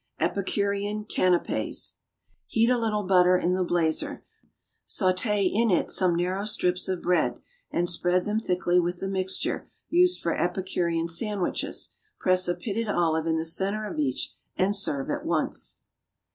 =Epicurean Canapés.= Heat a little butter in the blazer; sauté in it some narrow strips of bread and spread them thickly with the mixture used for epicurean sandwiches. Press a pitted olive in the centre of each and serve at once.